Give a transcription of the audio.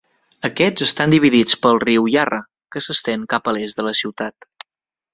Aquests estan dividits pel riu Yarra, que s'estén cap a l'est de la ciutat.